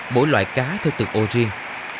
mỗi loại cá theo từng ô riêng